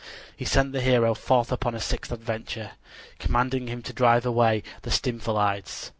He sent the hero forth upon a sixth adventure, commanding him to drive away the Stymphalides.